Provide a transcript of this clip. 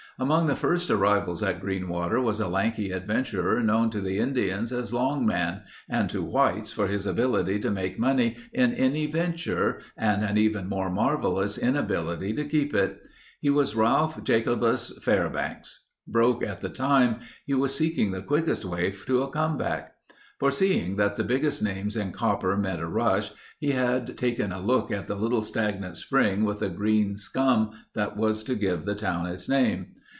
Among the first arrivals in Greenwater was a lanky adventurer known to the Indians as Long Man and to whites for his ability to make money in any venture and an even more marvelous inability to keep it. He was Ralph Jacobus Fairbanks. Broke at the time, he was seeking the quickest way to a "comeback." Foreseeing that the biggest names in copper meant a rush, he had taken a look at the little stagnant spring with a green scum that was to give the town its name.